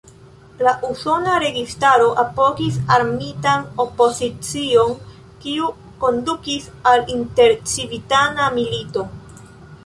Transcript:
La usona registaro apogis armitan opozicion, kiu kondukis al intercivitana milito.